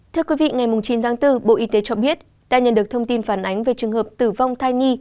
thưa quý vị ngày chín tháng bốn bộ y tế cho biết đã nhận được thông tin phản ánh về trường hợp tử vong thai nhi